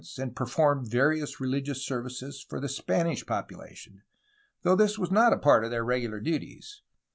FERMiN FRANCISCO DE LASUfiN 373 and performed various religious services for the Spanish population, though this was not a part of their regular duties.